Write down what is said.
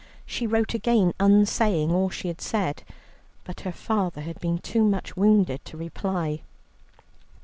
She wrote again unsaying all she had said, but her father had been too much wounded to reply.